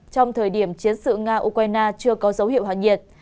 trong thời điểm chiến sự nga ukraine chưa có dấu hiệu hạ nhiệt